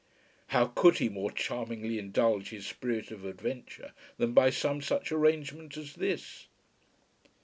How could he more charmingly indulge his spirit of adventure than by some such arrangement as this?